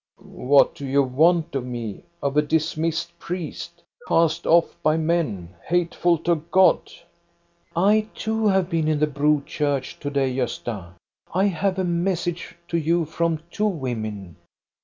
"What do you want of me, of a dismissed priest? Cast off by men, hateful to God ?"" I too have been in the Bro church to day, Gosta. I have a message to you from two women.